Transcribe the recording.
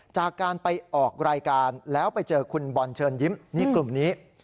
จากการไปออกรายการแล้วไปเจอคุณบอลเชิญยิ้มนี่กลุ่มนี้